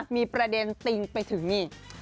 มีประเด็นติงไปถึงนี่